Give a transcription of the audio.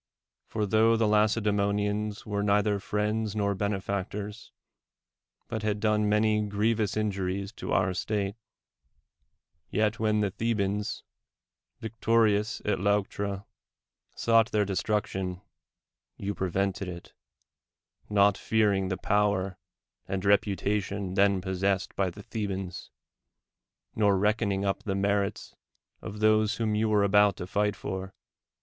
For, tho the Lacedeemonians were neither friends nor benefactors, but had done many grievous injuries to our state, yet when the Thebans, victorious at Leuctra, sought their destruction, you prevented it, not fearing the power and reputation then possessed by the The bans, nor reckoning np the merits of those whom you were about to fight for.